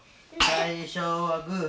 最初はグー。